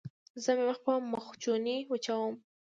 زه مې مخ په مخوچوني وچوم.